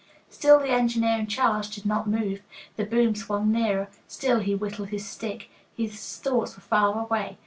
Still the engineer in charge did not move. The boom swung nearer. Still he whittled at his stick. His thoughts were far away.